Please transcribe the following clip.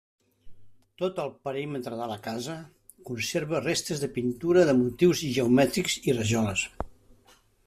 Tot el perímetre de la casa conserva restes de pintura de motius geomètrics i rajoles.